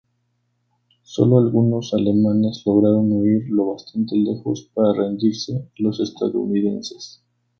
Solo algunos alemanes lograron huir lo bastante lejos para rendirse a los estadounidenses.